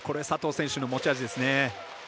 佐藤選手の持ち味ですね。